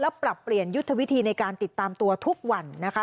และปรับเปลี่ยนยุทธวิธีในการติดตามตัวทุกวันนะคะ